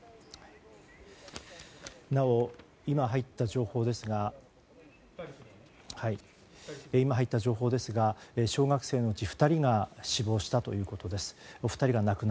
なお、今入った情報ですが小学生のうち２人が死亡したということです。